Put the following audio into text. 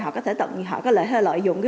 họ có thể tận họ có thể lợi dụng